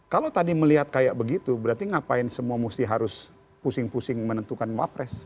kalau tadi melihat kayak begitu berarti ngapain semua musti harus pusing pusing menentukan wapres